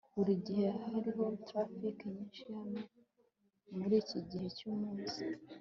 burigihe hariho traffic nyinshi hano muriki gihe cyumunsi